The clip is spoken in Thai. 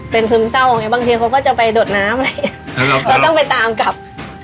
เป็นซึมเศร้าบางทีเขาก็จะไปดดน้ำแล้วต้องไปตามกลับ